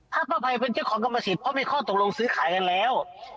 ถ้าป้าภัยเป็นเจ้าของกรรมสิทธิ์เพราะมีข้อตกลงซื้อขายกันแล้ว